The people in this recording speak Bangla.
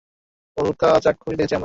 উল্কাও চাক্ষুষ দেখেছি আমরা।